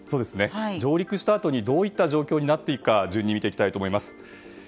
上陸したあとにどういった状況になるか順に見ていきたいと思います。